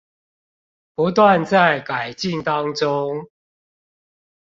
不斷在改進當中